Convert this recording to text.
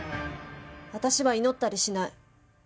私は祈ったりしない。